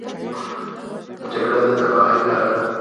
جګړه د تباهۍ لاره ده.